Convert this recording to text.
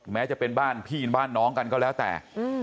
แม้จะเป็นบ้านพี่บ้านน้องกันก็แล้วแต่